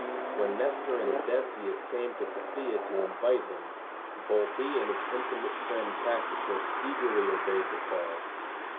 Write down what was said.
When Nestor and Odysseus came to Phthia to invite him, both he and his intimate friend Patroclus eagerly obeyed the call.